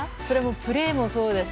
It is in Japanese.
プレーもそうだし